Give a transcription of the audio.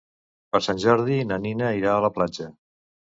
Per Sant Jordi na Nina irà a la platja.